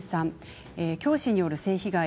教師による性被害